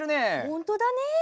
ほんとだね！